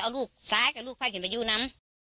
เอาลูกสายกับลูกพ่ายเข็มไปยู่น้ำ